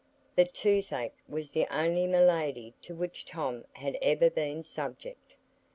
(The toothache was the only malady to which Tom had ever been subject.)